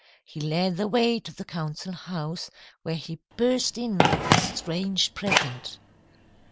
He led the way to the council house, where he burst in with his strange present.